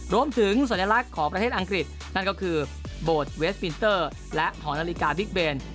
สัญลักษณ์ของประเทศอังกฤษนั่นก็คือโบสถ์เวสปินเตอร์และหอนาฬิกาบิ๊กเบน